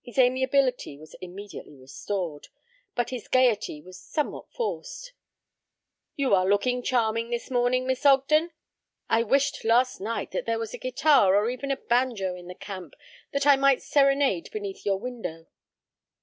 His amiability was immediately restored, but his gaiety was somewhat forced. "You are looking charming this morning, Miss Ogden. I wished last night that there was a guitar or even a banjo in the camp, that I might serenade beneath your window."